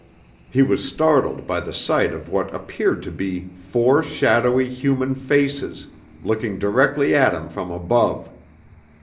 He was startled by the sight of what appeared to be four shadowy human faces, looking directly at him from above.